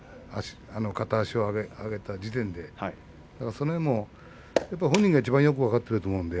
片足ををかけた時点で本人がいちばんよく分かっていると思うんです。